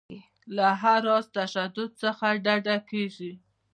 له هر راز تشدد څخه ډډه کیږي.